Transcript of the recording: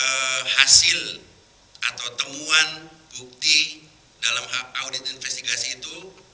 dari hasil atau temuan bukti dalam audit investigasi itu